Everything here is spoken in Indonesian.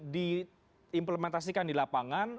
diimplementasikan di lapangan